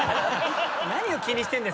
何を気にしてんですか。